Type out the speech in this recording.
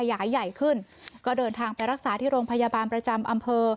ขยายใหญ่ขึ้นก็เดินทางไปรักษาที่โรงพยาบาลประจำอำเภอ